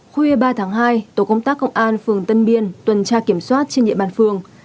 khuya ba tháng hai tổ công tác công an phường tân biên tuần tra kiểm soát trên địa bàn phường